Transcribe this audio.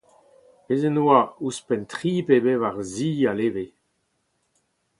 Bez' en doa ouzhpenn tri pe bevar zi a-leve.